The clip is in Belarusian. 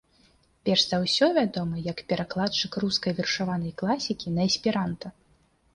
Перш за ўсё вядомы як перакладчык рускай вершаванай класікі на эсперанта.